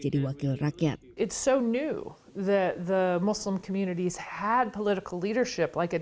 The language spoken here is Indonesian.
ini sangat baru masyarakat muslim memiliki kekuatan politik seperti sekarang